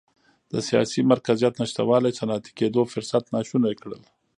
د سیاسي مرکزیت نشتوالي صنعتي کېدو فرصتونه ناشو کړل.